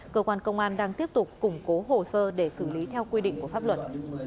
cơ quan công an đang tiếp tục củng cố hồ sơ để xử lý theo quy định của pháp luật